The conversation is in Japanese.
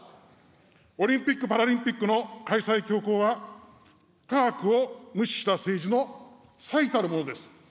オリンピック・パラリンピックの開催強行は、科学を無視した政治の最たるものです。